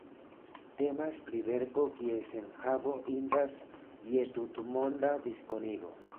Temas pri verko kies enhavo indas je tutmonda diskonigo.